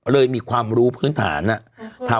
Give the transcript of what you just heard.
เลยมีความรู้พื้นฐานอ่ะ